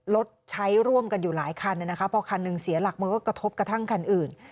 รถใช้ร่วมกันอยู่หลายคันนะคะพอคันหนึ่งเสียหลักมันก็กระทบกระทั่งคันอื่น